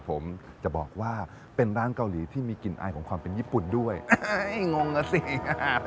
ผมจะบอกว่าเป็นร้านเกาหลีที่มีกลิ่นอายของความเป็นญี่ปุ่นด้วยงงอ่ะสิ